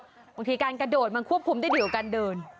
บางทีการกระโดดมันควบคุ้มได้เยอะกันเดิน